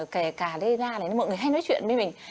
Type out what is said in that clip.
kể cả lê nga này mọi người hay nói chuyện với mình